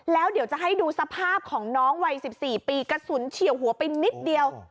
แล้วเดี๋ยวจะให้ดูสภาพของน้องวัย๑๔ปีกระสุนเฉียวหัวไปนิดเดียว